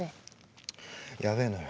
やべえのよ。